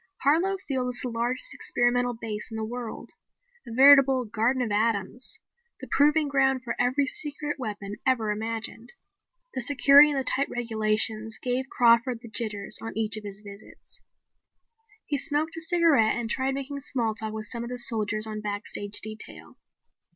Harlow Field was the largest experimental base in the world, a veritable garden of atoms, the proving grounds for every secret weapon ever imagined. The security and the tight regulations gave Crawford the jitters on each of his visits. He smoked a cigarette and tried making small talk with some of the soldiers on backstage detail.